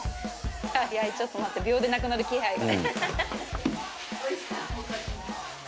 早いちょっと待って秒でなくなる気配が。